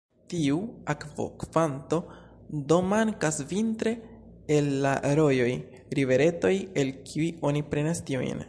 Tiu akvokvanto do mankas vintre el la rojoj, riveretoj, el kiuj oni prenas tiujn.